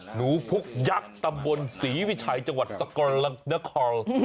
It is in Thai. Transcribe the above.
หนูพุกยักษ์ตำบลศรีวิชัยจังหวัดสกลนคร